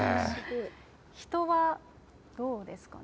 人はどうですかね。